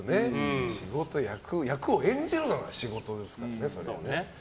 役を演じるのが仕事ですからね。